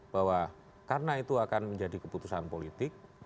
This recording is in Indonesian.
bahwa karena itu akan menjadi keputusan politik